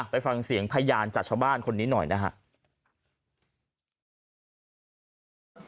ไปฟังเสียงพยานจากชาวบ้านคนนี้หน่อยนะครับ